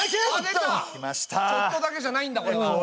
チョットだけじゃないんだこれは。